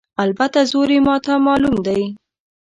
البته زور یې ماته معلوم دی.